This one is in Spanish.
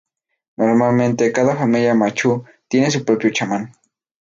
Normalmente, cada familia manchú tiene su propio chamán.